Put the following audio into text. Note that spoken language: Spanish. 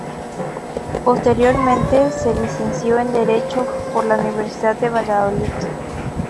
Posteriormente se licenció en Derecho por la Universidad de Valladolid.